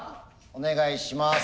お願いします。